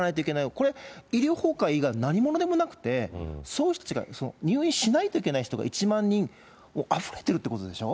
これ、医療崩壊以外の何物でもなくて、入院しないといけない人が１万人、あふれてるってことでしょ？